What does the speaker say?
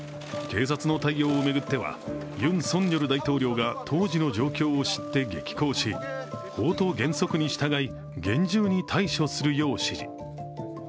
警察の対応を巡っては、ユン・ソンニョル大統領が当時の状況を知って激高し法と原則に従い厳重に対処するよう指示。